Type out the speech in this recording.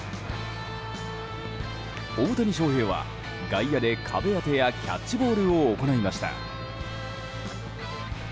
大谷翔平は外野で壁当てやキャッチボールを行いました。